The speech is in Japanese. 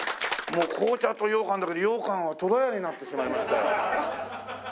もう紅茶とようかんだけどようかんは「とらや」になってしまいました。